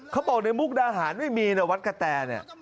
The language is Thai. เขาบอกว่าในมุกนาหารไม่มีวัดกะแต่